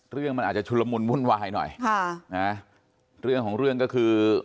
เรื่องมันอาจจะชุลมุนวุ่นวายหน่อยค่ะนะเรื่องของเรื่องก็คือ